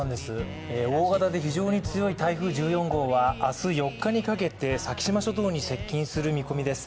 大型で非常に強い台風１４号は明日４日にかけて先島諸島に接近する見込みです。